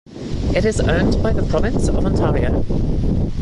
It is owned by the Province of Ontario.